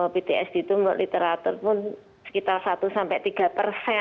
ptsd my literatur pun sekitar"